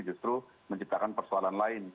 justru menciptakan persoalan lain